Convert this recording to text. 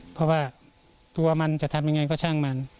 เพราะว่าตัวมันจะทำยังไงก็ช่างมัน